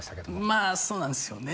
まあそうなんですよね。